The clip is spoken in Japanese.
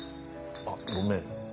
あっごめん。